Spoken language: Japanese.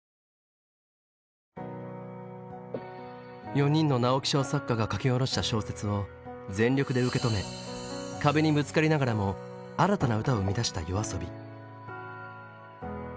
４人の直木賞作家が書き下ろした小説を全力で受け止め壁にぶつかりながらも新たな歌を生み出したＹＯＡＳＯＢＩ。